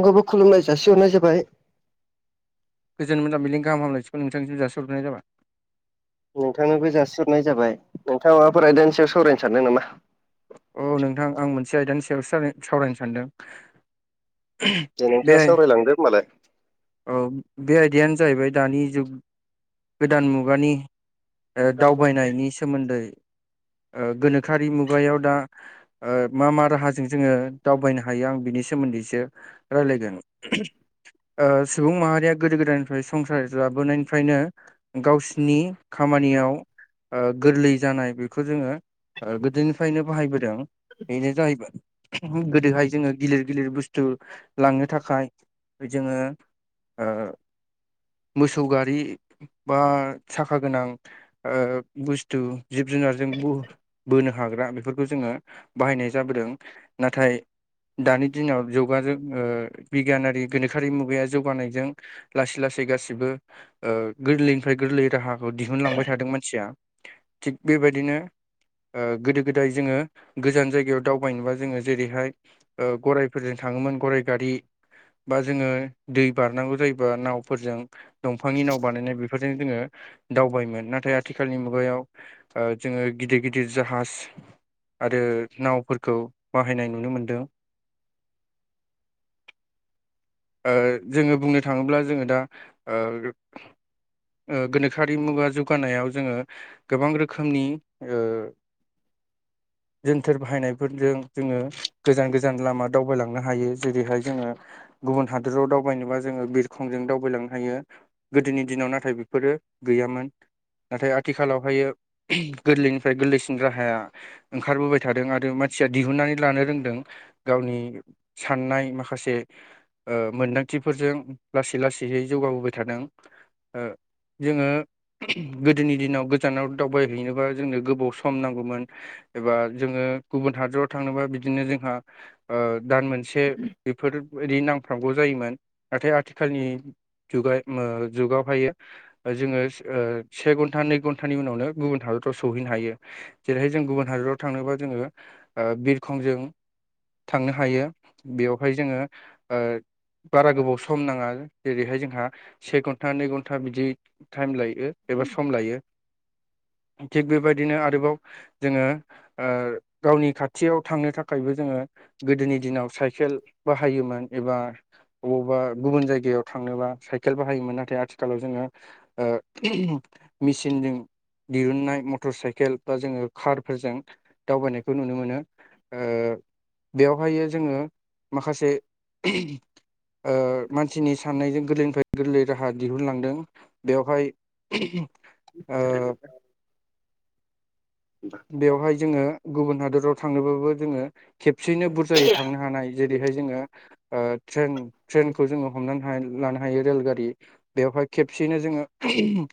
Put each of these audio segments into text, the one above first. नोंथाखौबो खुुलुमनाय जासिहरनाय जाबाय गोजोन मोनाबिलिनि गाहाम हामलायथिखौ नोंथांनिसिम जासिह्ररनाय जाबाय नोंथांनोबो जासिुरनाय जाबाय नोंथां माबाफोराायदानसेयाव सावरायनो सानदों नामा औ नोंथां आं मोनसे आयदानि सायाव सावरायनो सानदों दे बे नोंथाङा सावरायलांदो ओमबालाय औ बे आयदायानो जाहैबाय दानि जुग गोदान मुगानि दावबायनायनि सोमोन्दै गोनोखोआरि मुगायाव दा मा मा राहाजों जोङो दावबायनो हायो हायो आं बिनि सोमोन्दैसो रायलायगोन सुबुं माहारिया गोदो गोदाय संसार जाबोनायनिफ्रायनो गावसिरनि खामानियाव गोरलै जानाय बेखौ जोङो गोदोनिफ्रायनो बाहायबोदों बेनो जाहैबाय गोदोहाय जोङो गिलिर गिलिर बुस्थु लांनो थाखाय जोङो मोसौ गारि बा सा गोनां बुस्थु जिब जुनारजों ब बोनो हाग्रा बेफोरखौ जोङो बाहायनाय जाबोदों नाथाय दानि दिनाव ओ जौगाजों बिगियानारि गोनोखोआरि मुगाया जौगानायजों लासै लासै गासिबो गोरलैनिफ्राय गोरलै राहा खौ दिहुनलांबाय थादों मानसिया थिग बेबायदिनो गोदो गोदाय जोङो गोजान जायगायाव दावबायनोबा जोङो जेरैहाय गररायफोरजों थाङोमोन गरराय गारि बा जोङो दै बारनांगौ जायोबा नावफोरजों दंफांनि नाव बानायनाय बे बेफोरजों जोङो दावबायोन नाथाय आथिखालनि मुगायाव जोङो गिदिर गिदिर जाहाज आरो नावफोरखौ बाहायनाय नुनो मोनदों जोङो बुंनो थाङोब्ला जोङो दा गोनोखोआरि मुगा जौगानायाव जोङो गोबां रोखोमनि जोनथोर बाहायनायफोरजों जोङो गोजान गोजान लामा दावबायलांनो हायो जेरैहाय जोङो गुबुन हादोराव दावबायनोबा जोङो बिरखंजों दावबायलांनो हायो गोदोनि दिनाव नाथाय बेफोरो गैयामोन नाथाय आथिखालावहायो गोरलैनिफ्राय गोरलैसिन राहाया ओंखारबोबाय थादों आरो मानसिया दिहुननानै लानो रोंदों गावनि साननाय माखासे मोनदांथिफोरजों लासै लासैयै जौगाबोबाय थादों जोङो गोदोनि दिनाव गोजानाव दावबायहैनोबा जोंनो गोबाव सम नांगौमोन एबा जोङो गुबुन हादराव थांनोबा बिदिनो जोंहा दान मोन एसे बेफोरबायदि नांफ्रामांगौ जायोमोन नाथाय आथिखालनि जुगाय जुगावहायो जोङो से घन्टा नै घन्टानि उनावनो गुबुन हादरफ्राव सौहैनो हायो जेरैहाय जों गुबुन हादराव थांनोबा जोङो बिरखंजों थांनो हायो बेवहाय जोङो बारा गोबाव सम नाङा जेरैहाय जोंहा से घन्टा नै घन्टा बिदि टाइम लायो एबा सम लायो थिग बेबायदिनो आरोबाव जोङो गावनि खाथियाव थांनो थाखायबो जोङो गोदोनि दिनाव साइकेल बाहायोमोन एबा अबावबा गुबुन जायगायाव थांनोबा साइकेल बाहायोमोन नाथाय आथिखालाव जोङो मेसिनजों दिहुननाय मटर साइकेल बा जोङो कारफोरजों दावबायनायखौ नुनो मोनो बेवहाय जोङो माखासे मानसिनि साननायजों गोरलैनिफ्राय गोरलै राहा दिहुनलांदों बेवहाय ओ [inaudible] बेवहाय जोङो गुबुन हादराव थांनोबाबो जोङो खेबसेयैनो बुरजायै थांनो हानाय जेरैहाय जोङो ओ ट्रेन ट्रेनखौ जोङो हमनानै लानो हायो रेलगारि। बेवहाय खेबसेयैनो जोङो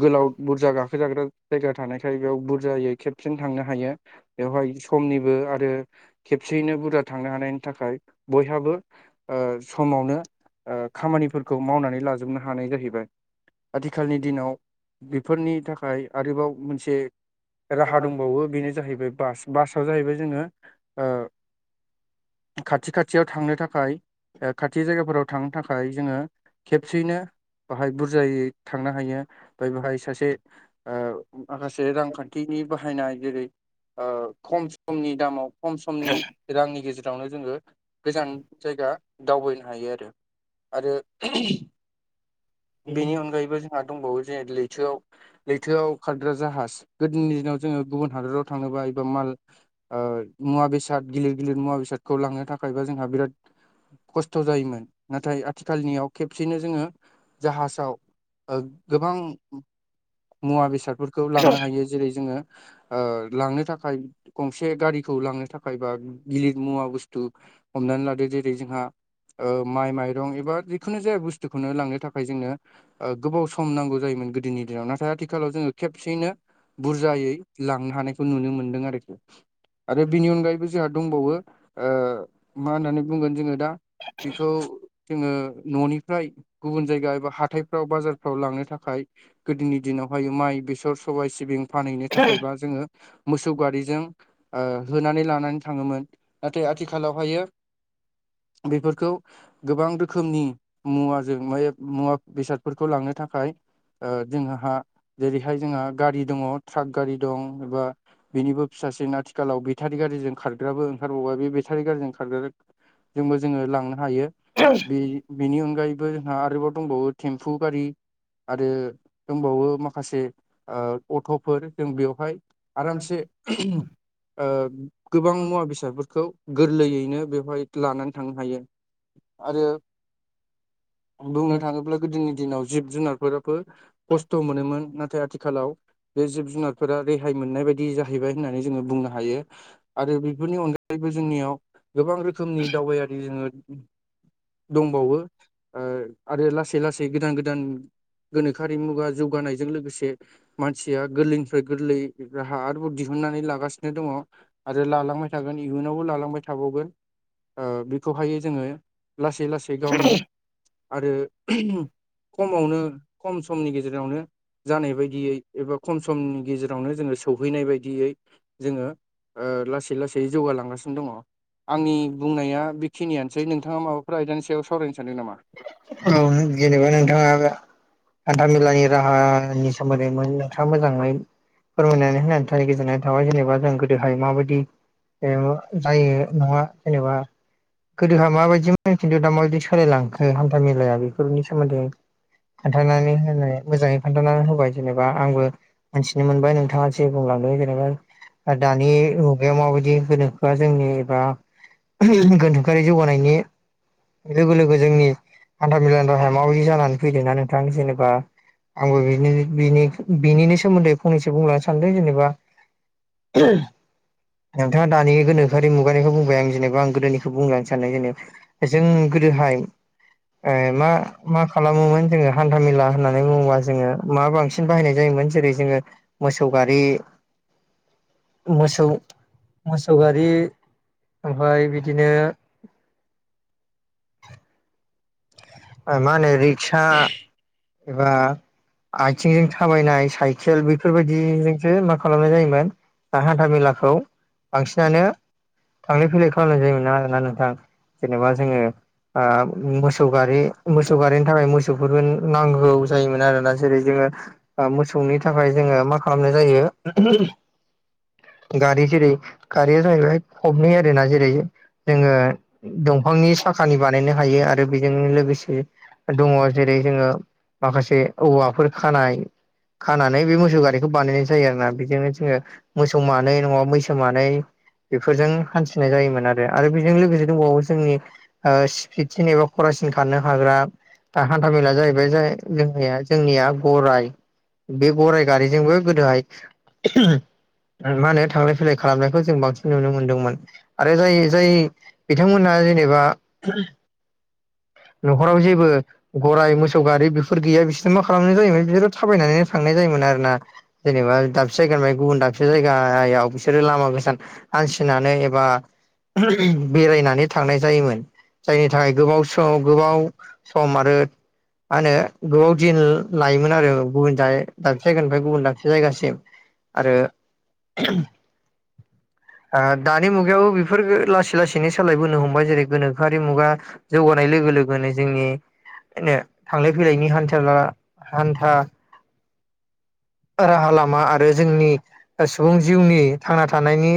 गोलाव बुरजा गाखोजाग्रा जायगा थानायखाय बेयाव बुरजायै खेबसेन थांनो हायो बेवहाय समनिबो आरो खेबसेयैनो बुरजा थांनो हानायनि थाखाय बयहाबो ओ समावनो ओ खामानिफोरखौ मावनानै लाजोबनो हायो। हानाय जाहैबाय आथिखालनि दिनाव बेफोरनि थाखाय आरोबाव मोनसे राहा दंबावो बेनो जाहैबाय बास बासाव जाहैबाय जोङो ओ खाथि खाथियाव थांनो थाखाय खाथि जायगाफोराव थांनो थाखाय जोङो खेबसेयैनो बाहाय बुरजायै थांनो हायो मफ्राय बेहाय सासे ओ माखासे रांखान्थि खानथिनि बाहायनाय जेरै ओ खम समनि दामाव खम समनि रांनि गेजेरावनो जोङो गोजान जायगा दावबायनो हायो आरो आरो बेनि अनगायैबो जोंहा दंबावो जे लैथोआव लैथोआव खारग्रा जाहाज। गोदोनि दिनाव जोङो गुबुन हादराव थाङोबा एबा माल ओ मुवा बेसाद गिदिर गिदिर मुवा बेसादखौ लांनो थाखायबा जोंहा बिराद खस्थ' जायोमोन नाथाय आथिखालनियाव खेबसेनो जोङो जाहाजाव गोबां मुवा बेसादफोरखौ लांनो हायो जेरै जोङो ओ लांनो थाखाय गंसे गारिखौ लांनो थाखाय बा गिलिर मुवा बुस्थु हमनानै लादो जेरै जोंहा माइ माइ दं एबा जिखुनु जाया बुस्थुखौनो लांनो थाखाय जोंनो ओ गोबाव सम नांगौ जायोमोन गोदोनि दिनाव नाथाय आथिखालाव जोङो खेबसेयैनो बुरजायै लांनो हानायखौ नुनो मोनदों आरोखि आरो बेनि अनगायैबो जोंहा दंबावो ओ मा होननानै बुंगोन जोङो दा बेखौ जोङो न'निफ्राय गुबुन जायगा एबा हाथाय ाव बाजारफ्राव लांनो थाखाय गोदोनि दिनावहाय माइ बेसर सबबाय सिबिं फानहैनो थाखायबा जोङो मोसौ गारिजों ओ होनानै लानानै थाङोमोन। नाथाय आथिखालावहायो बेफोरखौ गोबां रोखोमनि मुवाजों मुवा मुवा बेसादफोरखौ लांनो थाखाय ओ जोंहा जेरैहाय जोंहा गारि दङ ट्राक गारि दं एबा बेनिबो फिसासिन आथिखालाव बेटारि गारि्रिजों खारग्राबो ओंखारबावबाय बे बेटारि गारि्रिजों खारग्रा जोंबो जोङो लांनो हायो। औ बे बेनि अनगायैबो जोंहा आरोबाव दंबावो टेम्फु गारि। आरो दंबावो माखासे ओ अट'फोर जों बेवहाय आरामसे ओ गोबां मुवा बेसादफोरखौ गोरलैयैनो बेवहाय लानानै थांनो हायो। आरो बुंनो थाङोब्ला गोदोनि दिनाव जिब जुनारफोराबो खस्थ' मोनोमोन नाथाय आथिखाल आथिखालाव बे जिब जुनारफोरा रेहाय मोननाय बायदि जाहैबाय होननानै जोङो बुंनो हायो। आरो बेफोरनि अनगायैबो जोंनियाव गोबां रोखोमनि दावबायारि जोङो दंबावो। ओ आरो लासै लासै गोदान गोदान गोनोखोआरि मुगा जौगानायजों लोगोसे मानसिया गोरलैनिफ्राय गोरलै राहा आरोबाव दिहुननानै लागासिनो दङ। आरो लालांबाय थागोन इयुनावबो लालांबाय थाबावगोन ओ बेखौहाय जोङो लासै लासै गावनि आरो खमावनो खम समनि गेजेरावनो जानाय बायदि यै एबा खम समनि गेजेरावनो जोङो सौहैनाय बायदियै जोङो ओ लासै लासै जौगालांगासिनो दङ। आंनि बुंनाया बेखिनियानोसै नोंथाङा माबाफोर आयदानि सायाव सावरायनो सानदों नामा औ जेनेबा नोंथाङाबो आान्धाामेलानि राहानि सोमोन्दै नोंथाङा मोजाङै फोरमायनानै होन थाखाय गोजोननाय थाबाय जेनेबा जों गोदोहाय माबायदि जेन जायो नङा जेनेबा गोदोहा माबायदिमोन खिन्थु दा माबायदि सोलायलांखो हान्था मेलाया बेफोरनि सोमोन्दै खोन्थानानै होनाय मोजाङै खोन्थानानै होबाय जेनेबा आंबो मिन्थिनो मोनबाय नोंथाङा जे बुंलांदों जेनेबा आरो दानि मुगायाव माबायदि होनो होआ जोंनि एबा गोनथोखआरि जौगानायनि लोगो लोगो जोंनि हान्थाामेलानि राहाय माबदि जानानै फैदों नना नोंथां जेनेबा आंबो बि बिनिनो सोमोन्दै फंनैसो बुंलांनो सानदों जेनेबा [inaudible] नोंथाङा दानिनि गोनोखोआि मुगानिखौ बुंबाय आं जेनेबा आं गोदोनिखौ बुंलांनो सान जेनबा जों गोदोहाय ए मा मा खालामोमोन जोङो हान्थामेला होननानै बुङोबा जोङो मा बांसिन बाहायनाय जायोमोन जेरै जोङो मोसौ गारि मोसौ मोसौ गारि ओमफ्राय बिदिनो मा होनो रिक्सा एबा आथिंजों थाबायनाय साइकेल बेफोरबायदिजोंसो मा खालामनाय जायोमोन दा हान्था मेलाखौ बांसिनानो थांलाय फैलाय खालामनाय जायोमोन ना आरोना नोंथां जेनेबा जोङो मोसौ गारि मोसौ गारिनि थाखाय मोसौफोरबो नांगौ जायोमोन आरोना जेरै जोङो मोसौनि थाखाय जोङो मा खालामनाय जायो गारि जेरै गारिया जाहैबायहाय फबनै आरो ना जेरै जोङो दंफांनि साखानि बानायनो हायो आरो बेजों लोगोसे दङ जेरै जोङो माखासे औवाफोर खानाय खानानै बे मोसौ गारिखौ बानायनाय जायो आरो ना बेजोंनो जोङो मोसौ मानै नङाबा मैसो मानै बेफोरजों हान्थिनाय जायोमोन आरो बेजों लोगोसे दंबावो जोंनि ओ स्पिडसिन एबा खरसिन खानो हाग्रा हान्थ मेेल जाहैबाय ज जोंनिया जोंनिया गराइ बे गराइ गारिजोंबो गोदोहाय मा होनो थांलाय फैलाय खालामनायखौ जों बांसिन नुनो मोन्दोंमोन आरो जाय जाय बिथांमोनहा जेनेबा न'खराव जेबो गराय मोसौ गारि बेफोर गैया बिसोर मा खालामनाय जायोमोन बिसोरो थाबायनानै थांनाय जायोमोन आरो ना जेनेबा दाबसे जायगानि गुबुन दाबसे जायगायाव बिसोरो लामा गोसान हासिनानै एबा बेरायनानै थांनाय जायोमोन जायनि थाखाय गोबाव समाव गोबाव सम आरो मा होनो गोबाव दिन लायोमोन आरो गुबुन दाबसे जायगानिफ्राय गुबुन दाबसे जायगासिम आरो [inaudible] दानि मुगायाव बेफोरो लासै लासैनो सोलायबोनो हमबाय जेरै गोनोखोआरि मुगा जौगानाय लोगो लोगो जोंनि थांलाय फैलायनि हान्था हान्था राहा लामा आरो जोंनि सुबुं जिउनि थांना थानायनि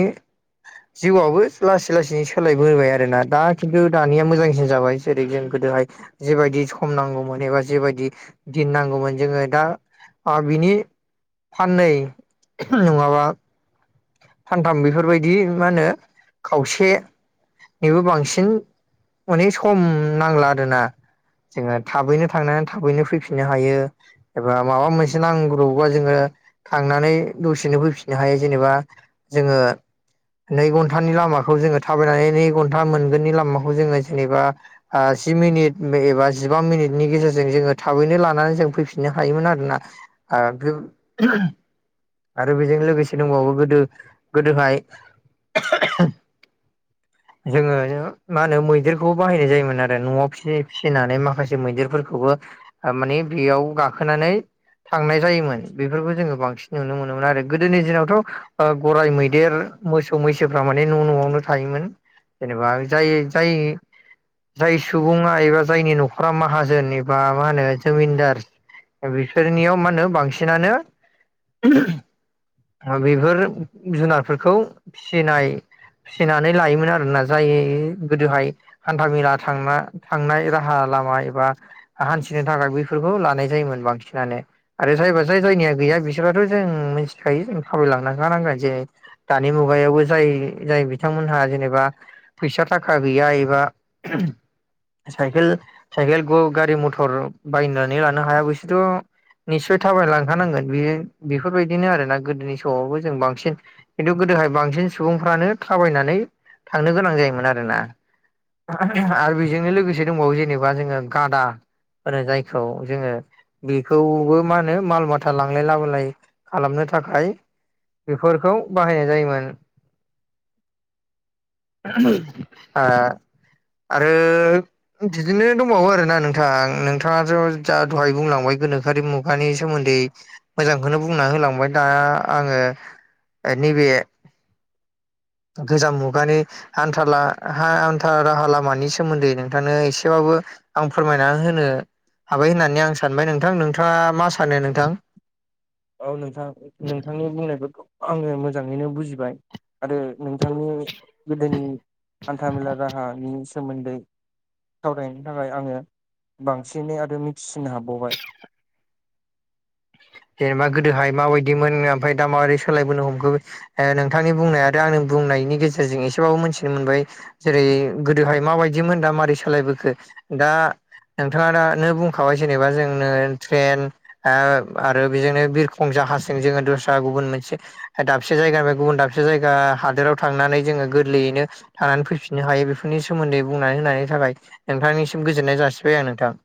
जिउआवबो लासै लासै सोलायबोबाय आरो ना दा खिन्थु दानिया मोजांसिन जाबाय जेरै जों गोदोहाय जेबायदि सम नांगौमोन एबा जेबायदि दिन नांगौमोन जोङो दा। बिनि फाननै नङाबा सानथाम बेफोरबायदि मा होनो खावसे। निबो बांसिन अनेक सम नांला आरोना। जोङो थाबैनो थांनानै थाबैनो फैफिननो हायो। एबा माबा मोनसे नांगौबबा जोङो थांनानै दसेनो फैफिननो हायो जेनेबा। जोङो नै घन्टानि लामाखौ जोङो थाबायनानै। से घन्टा मोनगोननि लामाखौ जोङो जेनेबा जि मिनिट एबा जिबा मिनिटनि गेजेरजों जोङो थाबैनो लानानै जों फैफिननो हायोमोन आरोना आरो बे आरो बेजों लोगोसे दंबावो गोदो गोदोहाय जोङो मा होनो मैदेरखौबो बाहायनाय जायोमोन आरो न'आव फिसिनानै माखासे मैदेरफोरखौबो। माने बेयाव गाखोनानै थांनाय जायोमोन बेफोरखौ जोङो बांसिन नुनो मोनोमोन आरो गोदोनि दिनावथ' गराइ मैदेर मोसौ मैसोफ्रा माने न' न'आवनो। थायोमोन जेनेबा ज ज जाय सुबुं एबा जायनि न'खरा माहाजोन एबा मा होनो जमिनदार बेफोरनियाव मा होनो बांसिनानो बेफोर जुनारफोरखौ फिसिनाय फिसिनानै लायोमोन आरोना जाय गोदोहाय हान्था मेला थांना थांनाय राहा लामा एबा हान्थिनो थाखाय बेफोरखौ लानाय जायोमोन बांसिनानो आरो जायबा जाय जायनिया गैया बिसोराथ' जों मिथिखायो जों खामायलांखानो नांगोन जे दानि मुगायावबो जाय जाय बि बिथांमोनहा जेनेबा फैसा थाखा गैया एबा साइकेल साइकेलखौ गारि मथर बायनानै लानो हायाबैसोरथ' निस्सय थाबायलांखानांगोन बेयो बेफोरबायदिनो आरोोना गोदोनि समावबो जों बांसिन। खिन्थु गोदोहाय बांसिन सुबुंफ्रानो थाबायनानै थांनो गोनां जायोमोन आरोना। आरो बेजोंनो लोगोसे दंबावो जेनेबा जोङो गादा जायखौ जोङो बेखौबो मा होनो माल माथा लांलाय लाबोलाय खालामनो थाखाय। बेफोरखौ बाहायनाय जायोमोन। आरो। बिदिनो दंबावो आरोना नोंथां नोंथाङाथ' जा दहाय बुंलांबाय गोनोखोआि मुगा। नि सोमोन्दै मोजांखौनो बुंना होलांबाय दा आङो नैबे गोजाम मुगानि हानथा हान्था राहा लामानि सोमोन्दै नोंथांनो एसेबांबो आं फोरमायना होनो हाबाय होननानै आं सानबाय नोंथां नोंथाङा मा सानो नोंथां। औ नोंथां नोंथांनि बुंनायफोरखौ आङो मोजाङैनो बुजिबाय। आरो नोंथांनि गोदोनि हान्थामेला राहानि सोमोन्दै सावरायनो थाखाय आङो बांसिनै आरो मिथिसिनो हाबाबावबाय। जेनेबा गोदोहाय माबायदिमोन ओमफ्राय दा माबोरै सोलायबोनो हमखो। नोंथांनि बुंनाय आरो आंनि बुंनायनि गेजेरजों एसेबाबो मोनथिनो मोनबाय। जेरै गोदोहाय माबायदिमोन दा मारै सालायबोखो दा। नोंथाङा दानो बुंखाबाय जेनेबा जोंनो ट्रेन आरो बेजोंनो बिरखं जाहाजजों जोङो दस्रा गुबुन मोनसे दाबसे जायगानिफ्राय गुबुन दाबसे जायगा हादोराव थांनानै जोङो गोरलैयैनो। थानानै फैफिननो हायो बेफोरनि सोमोन्दै बुंनानै होनायनि थाखाय नोंथांनिसिम गोजोननाय जासिबाय आं नोंथां।